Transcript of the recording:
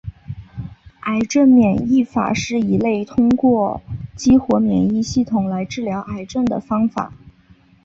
癌症免疫疗法是一类通过激活免疫系统来治疗癌症的方法。